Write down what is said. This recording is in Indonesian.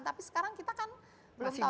tapi sekarang kita kan belum tahu